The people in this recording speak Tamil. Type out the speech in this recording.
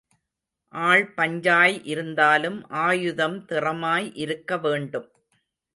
ஆள் பஞ்சையாய் இருந்தாலும் ஆயுதம் திறமாய் இருக்க வேண்டும்.